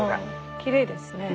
きれいですね。